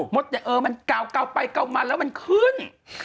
มันเก่ามันเก่าไปเก่ามาแล้วมันขึ้น